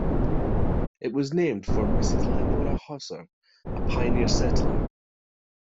It was named for Mrs. Lenora Hauser, a pioneer settler.